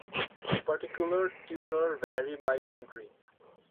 The particular tuner vary by country.